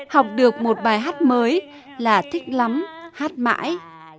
học được một bài hát mới là thích lắm hát mãi